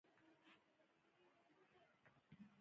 زده کوونکي دې لومړی متن په چوپتیا سره ولولي.